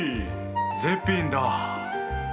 絶品だ！